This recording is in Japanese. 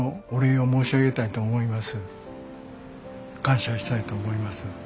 感謝したいと思います。